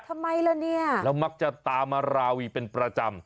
ทำไมล่ะเนี่ยแล้วมักจะตามมาราวีเป็นประจำ